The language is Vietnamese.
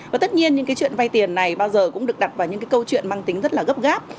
và tất nhiên những chuyện vay tiền này bao giờ cũng được đặt vào những câu chuyện mang tính rất gấp gáp